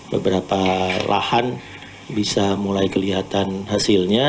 beberapa lahan bisa mulai kelihatan hasilnya